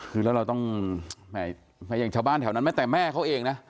คือแล้วเราต้องอย่างชาวบ้านแถวนั้นแม้แต่แม่เขาเองนะ